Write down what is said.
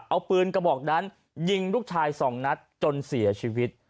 เอาปืนกระบอกนั้นยิงลูกชายสองนัดจนเสียชีวิต